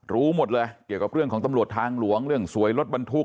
รู้หมดเลยเกี่ยวกับเรื่องของตำรวจทางหลวงเรื่องสวยรถบรรทุก